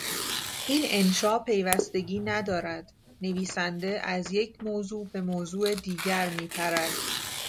این انشا پیوستگی ندارد; نویسنده از یک موضوع به موضوع دیگر میپرد.